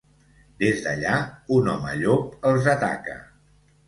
Des d'allà, un home- llop els ataca.